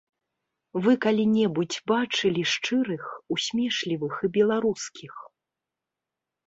Вы калі-небудзь бачылі шчырых, усмешлівых і беларускіх?